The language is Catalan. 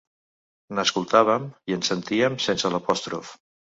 N'escoltàvem i en sentíem sense l'apòstrof.